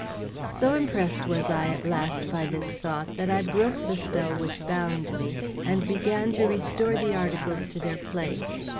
So impressed was I at last by this thought that I broke the spell which bound me, and began to restore the articles to their place.